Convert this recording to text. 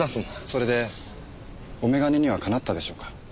それでお眼鏡にはかなったでしょうか？